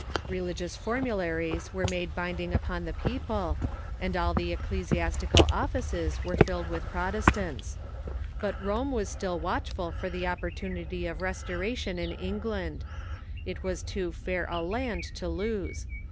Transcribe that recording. Religious formularies were made binding upon the p^ojile, and all the ecclesiastical offices were filled with Protestants. But Rome was still watchful for the opportunity of restoration in England. It was too fair a land to lose.